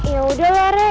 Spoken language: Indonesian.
ya udah lah rek